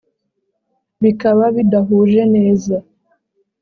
bikaba bidahuje neza